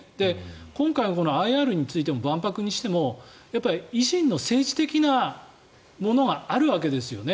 今回、ＩＲについても万博にしても維新の政治的なものがあるわけですよね。